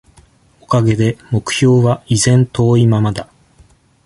おかげで、目標は、依然遠いままだ。